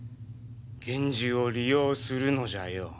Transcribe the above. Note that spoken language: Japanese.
源氏を利用するのじゃよ。